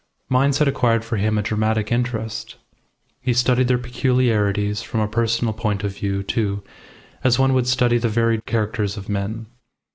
Mines had acquired for him a dramatic interest. He studied their peculiarities from a personal point of view, too, as one would study the varied characters of men.